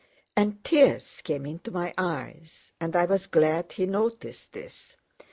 And tears came into my eyes, and I was glad he noticed this.